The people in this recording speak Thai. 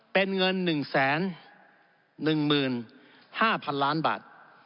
เป็นเงิน๑๑๕๐๐๐ล้านบาท